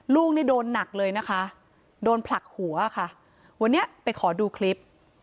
ลูกนี่โดนหนักเลยนะคะโดนผลักหัวค่ะวันนี้ไปขอดูคลิป